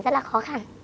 rất là khó khăn